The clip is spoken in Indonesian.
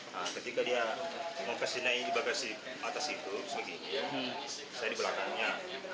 ketika dia mau pesin naik di bagasi atas itu saya di belakangnya